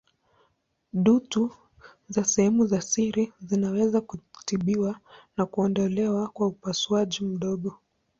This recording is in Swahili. Dutu za sehemu za siri zinaweza kutibiwa na kuondolewa kwa upasuaji mdogo.